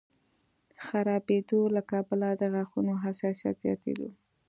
خرابېدو له کبله د غاښونو حساسیت زیاتېدو